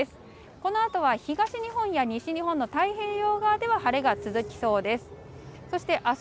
このあとは東日本や西日本の太平洋側では晴れが続きそうです。